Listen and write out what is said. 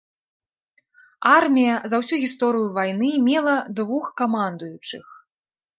Армія за ўсю гісторыю вайны мела двух камандуючых.